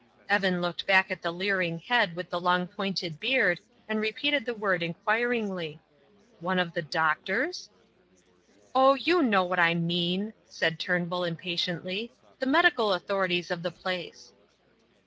Evan looked back at the leering head with the long pointed beard and repeated the word inquiringly: "One of the doctors?" "Oh, you know what I mean," said Turnbull, impatiently. "The medical authorities of the place."